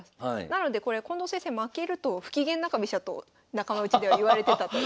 なのでこれ近藤先生負けるとフキゲン中飛車と仲間内では言われてたと。